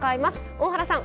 大原さん